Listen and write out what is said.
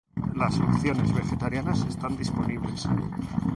Las opciones vegetarianas están disponibles.